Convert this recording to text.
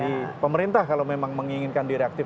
jadi pemerintah kalau memang menginginkan berjalan maka bisa